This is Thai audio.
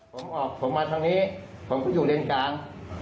ผมออกผมมาทางนี้ผมก็อยู่เลนกลาง